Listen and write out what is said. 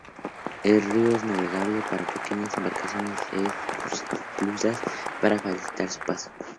El río es navegable para pequeñas embarcaciones y hay esclusas para facilitar su paso.